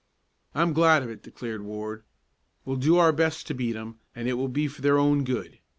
"I'm glad of it!" declared Ward. "We'll do our best to beat 'em, and it will be for their own good.